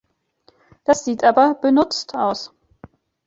Das sieht aber "benutzt" aus.